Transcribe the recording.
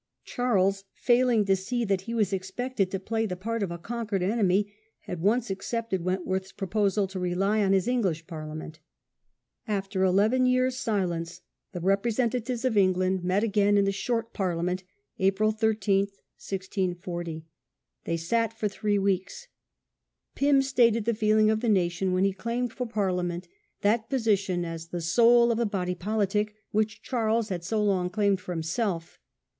Charles, failing to see that he was expected to play the part of a conquered enemy, at once accepted Wentworth's proposal to rely on his English Parliament. After eleven years' silence the representatives of England met again in the Short Parliament, April 13, 1640. They sat for three weeks. Pym stated the feeling of the nation when he claimed for Parliament that position as "the soul of the body politic" which Charles had so long claimed for himself.